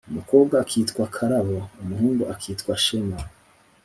, umukobwa akitwa Karabo, umuhungu akitwa Shema